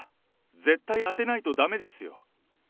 絶対当てないとだめですよ。